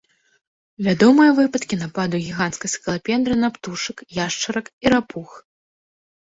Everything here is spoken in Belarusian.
Вядомыя выпадкі нападу гіганцкай скалапендры на птушак, яшчарак і рапух.